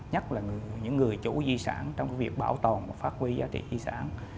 nhất là những người chủ di sản trong việc bảo tồn và phát huy giá trị di sản